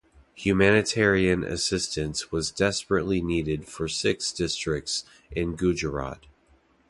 Humanitarian assistance was desperately needed for six districts in Gujarat.